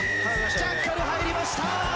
ジャッカル入りました！